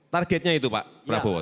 targetnya itu pak prabowo